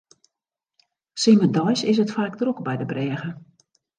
Simmerdeis is it faak drok by de brêge.